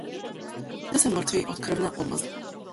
Сите се мртви од крвна одмазда.